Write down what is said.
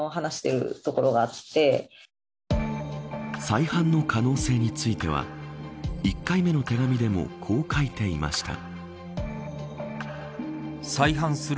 再犯の可能性については１回目の手紙でもこう書いていました。